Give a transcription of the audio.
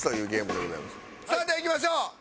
さあではいきましょう！